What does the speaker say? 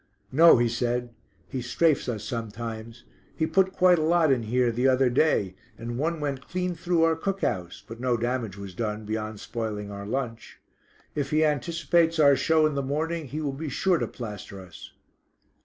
"No," he said, "he strafes us sometimes. He put quite a lot in here the other day, and one went clean through our cook house, but no damage was done, beyond spoiling our lunch. If he anticipates our show in the morning, he will be sure to plaster us."